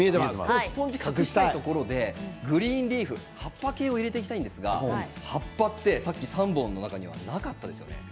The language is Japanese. スポンジを隠したいところでグリーンリーフ、葉っぱ系を入れていきたいんですが葉っぱは３本の中になかったですよね。